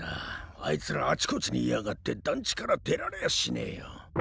あいつらあちこちにいやがって団地から出られやしねえよ。